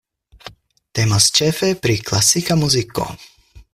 Temas ĉefe pri klasika muziko.